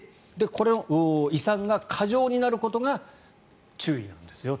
この胃酸が過剰になることが注意なんですよと。